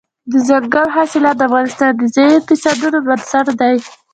دځنګل حاصلات د افغانستان د ځایي اقتصادونو بنسټ دی.